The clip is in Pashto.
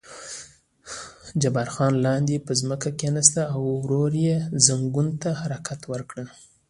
جبار خان لاندې پر ځمکه کېناست او ورو یې زنګون ته حرکات ورکړل.